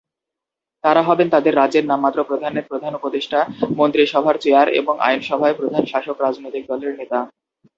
তারা হবেন তাদের রাজ্যের নামমাত্র প্রধানের প্রধান উপদেষ্টা, মন্ত্রিসভার চেয়ার এবং আইনসভায় প্রধান শাসক রাজনৈতিক দলের নেতা।